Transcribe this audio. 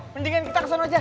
mendingan kita kesana aja